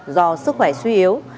do sức khỏe suy yếu